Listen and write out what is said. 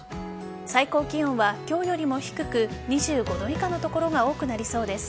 最高気温は、今日よりも低く２５度以下の所が多くなりそうです。